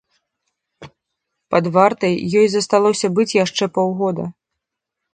Пад вартай ёй засталося быць яшчэ паўгода.